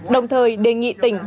đồng thời đề nghị tỉnh